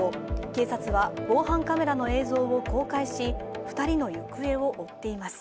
警察は防犯カメラの映像を公開し２人の行方を追っています。